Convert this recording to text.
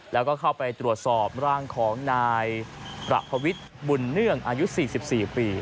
แล้วก็เข้าไปตรวจสอบร่างของนายประพวิทย์บุญเนื่องอายุ๔๔ปี